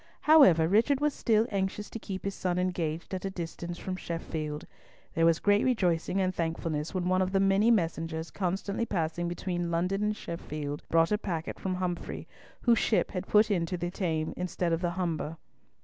However Richard was still anxious to keep his son engaged at a distance from Sheffield. There was great rejoicing and thankfulness when one of the many messengers constantly passing between London and Sheffield brought a packet from Humfrey, whose ship had put into the Thames instead of the Humber.